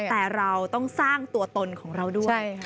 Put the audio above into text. แต่เราต้องสร้างตัวตนของเราด้วย